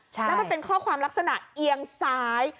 แล้วมันเป็นข้อความลักษณะเอียงซ้าย